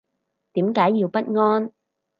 點解要不安